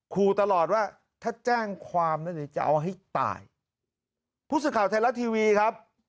คู่ตลอดว่าถ้าแจ้งความนั้นจะเอาให้ตายพุศข่าวไทยรัฐทีวีครับ